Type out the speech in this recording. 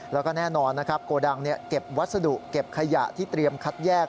แล้วก็แน่นอนนะครับโกดังเก็บวัสดุเก็บขยะที่เตรียมคัดแยก